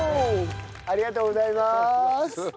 ありがとうございます。